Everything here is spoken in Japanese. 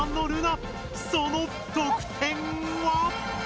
その得点は！？